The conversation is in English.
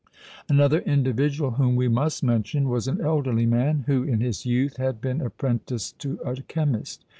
Another individual whom we must mention, was an elderly man, who in his youth had been apprenticed to a chemist.